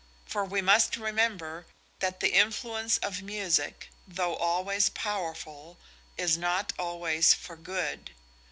For we must remember that the influence of music, though always powerful, is not always for good.